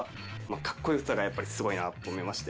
格好良さがやっぱりスゴいなと思いまして。